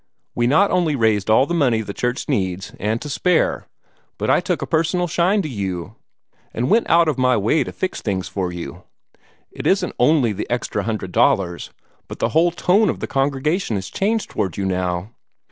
We not only raised all the money the church needs, and to spare, but I took a personal shine to you, and went out of my way to fix up things for you. It isn't only the extra hundred dollars, but the whole tone of the congregation is changed toward you now.